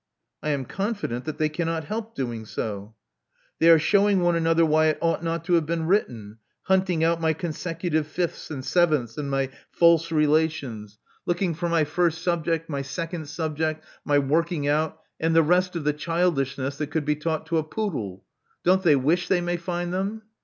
I am confident that they cannot help doing so." They are shewing one another why it ought not to have been written — ^hunting out my consecutive fifths and sevenths, and my false relations — ^looking Love Among the Artists i8i for my first subject, my second subject, my working out, and the rest of the childishness that could be taught to a poodle. Don't they wish they may find them?"